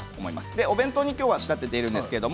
今日は、お弁当に仕立てています。